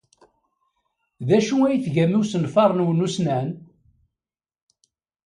D acu ay tgam i usenfar-nwen ussnan?